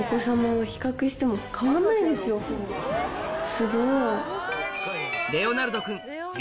すごい。